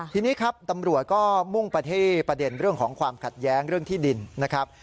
ทีนี้ครับตำรวจก็มุ่งประเทศประเด็นเรื่องของความขัดแย้งเรื่องที่ดินนะครับ